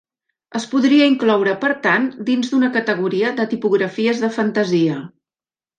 Es podria incloure, per tant, dins d'una categoria de tipografies de fantasia.